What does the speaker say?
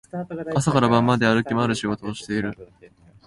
朝から晩まで歩き回る仕事をしている